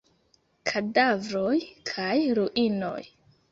Kadavroj kaj ruinoj.